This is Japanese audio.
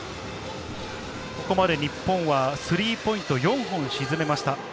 ここまで日本はスリーポイント、４本沈めました。